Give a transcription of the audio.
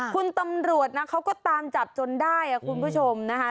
คุณตำรวจนะเขาก็ตามจับจนได้คุณผู้ชมนะคะ